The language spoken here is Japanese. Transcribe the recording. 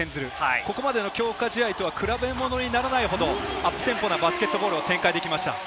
ここまでの強化試合とは比べものにならないほどアップテンポなバスケットボールを展開できました。